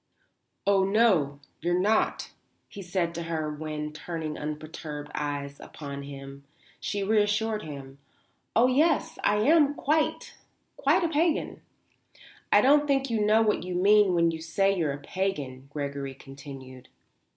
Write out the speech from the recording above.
"Oh, no, you're not," he said to her when, turning unperturbed eyes upon him, she assured him: "Oh yes, I am quite, quite a pagan." "I don't think you know what you mean when you say you're a pagan," Gregory continued.